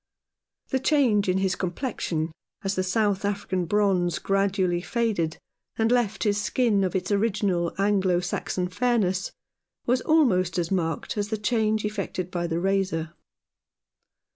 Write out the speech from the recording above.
The change in his complexion, as the South African bronze gradually faded and left his skin of its original Anglo Saxon fairness, was almost as marked as the change effected by the razor.